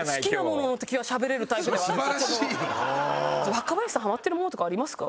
若林さんハマってるものとかありますか？